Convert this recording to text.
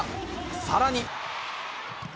さらに。